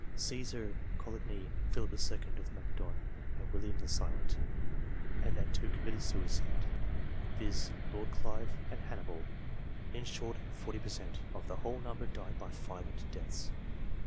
Caesar, Coligny, Philip II. of Macedon, and William the Silent ; and that two committed suicide, viz. Lord Clive and Hannibal. In short, 40 per cent, of the whole number died by violent deaths.)